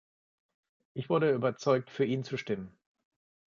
Ich wurde überzeugt, für ihn zu stimmen.